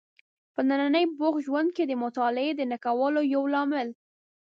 په ننني بوخت ژوند کې د مطالعې د نه کولو یو لامل